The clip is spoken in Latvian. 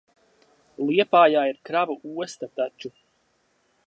Liepājā ir kravu osta taču.